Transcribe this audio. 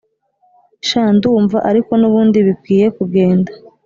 sha ndumva ariko nubundi bikwiye kugenda